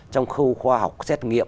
trong khâu khoa học xét nghiệm